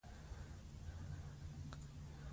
دا ځانمرګي نه دي دا فدايان دي.